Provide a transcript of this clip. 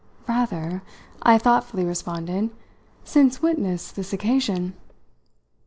"Rather," I thoughtfully responded "since witness this occasion!"